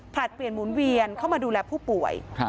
เปลี่ยนหมุนเวียนเข้ามาดูแลผู้ป่วย